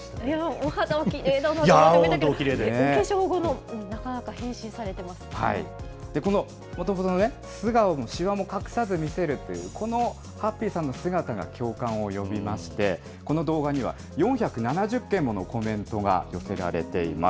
お化粧後も、なかなか変身さこのもともとの素顔もしわも隠さず見せるという、このハッピーさんの姿が共感を呼びまして、この動画には４７０件ものコメントが寄せられています。